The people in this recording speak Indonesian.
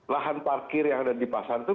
lahan parkir yang ada di pasar itu